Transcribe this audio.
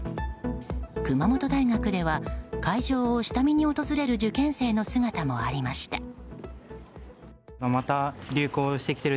熊本大学では会場を下見に訪れる受験生の姿もありました。